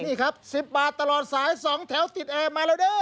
นี่ครับ๑๐บาทตลอดสาย๒แถวติดแอร์มาแล้วเด้อ